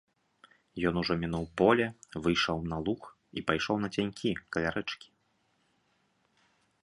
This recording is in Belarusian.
Ён ужо мінуў поле, выйшаў на луг і пайшоў нацянькі, каля рэчкі.